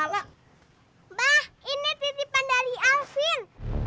mbak ini titipan dari alvin